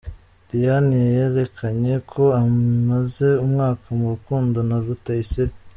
Diane yerekanye ko amaze umwaka mu rukundo na Rutayisire.